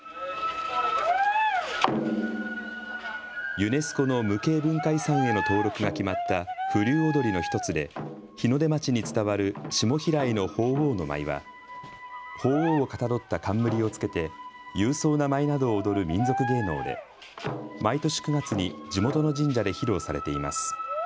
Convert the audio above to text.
ユネスコの無形文化遺産への登録が決まった風流踊の１つで日の出町に伝わる下平井の鳳凰の舞は、ほうおうをかたどった冠を着けて勇壮な舞などを踊る民俗芸能で毎年９月に地元の神社で披露されています。